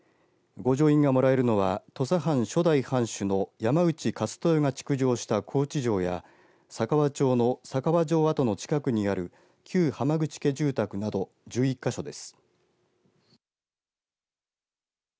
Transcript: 御城印がもらえるのは土佐藩初代藩主の山内一豊が築城した高知城や佐川町の佐川城跡の近くにある旧浜口家住宅など１１か所です。